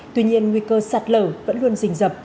tuy nhiên nguy cơ sạt lở vẫn luôn dình dầu